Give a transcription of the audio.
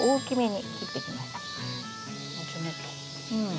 うん。